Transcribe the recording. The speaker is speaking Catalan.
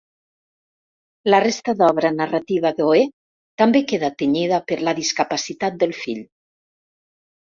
La resta d'obra narrativa d'Oé també queda tenyida per la discapacitat del fill.